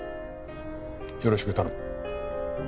よろしく頼む。